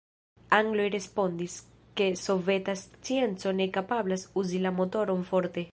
Angloj respondis, ke soveta scienco ne kapablas uzi la motoron forte.